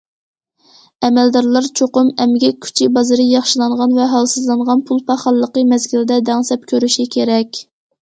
ئەمەلدارلار چوقۇم ئەمگەك كۈچى بازىرى ياخشىلانغان ۋە ھالسىزلانغان پۇل پاخاللىقى مەزگىلىدە دەڭسەپ كۆرۈشى كېرەك.